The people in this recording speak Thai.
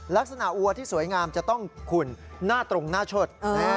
ลักษณะวัวที่สวยงามจะต้องขุ่นหน้าตรงหน้าเชิด